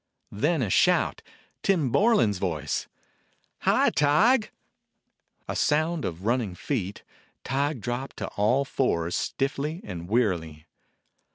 Then a shout — Tim Borlan's voice: "Hi, Tige !" A sound of running feet. Tige dropped to all fours stiffly and wearily.